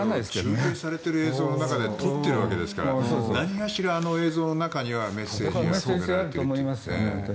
中継されている映像の中で撮っているわけですから何かしらあの映像の中にはメッセージがあるかと。